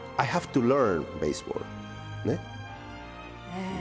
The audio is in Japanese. へえ！